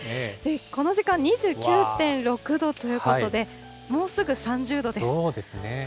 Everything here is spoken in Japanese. この時間、２９．６度ということで、もうすぐ３０度です。